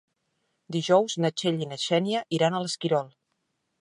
Dijous na Txell i na Xènia iran a l'Esquirol.